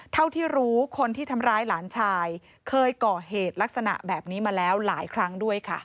เท่าที่รู้คนที่ทำร้ายหลานชายเคยก่อเหตุลักษณะแบบนี้มาแล้วหลายครั้งด้วยค่ะ